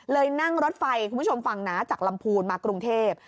นั่งรถไฟคุณผู้ชมฟังนะจากลำพูนมากรุงเทพ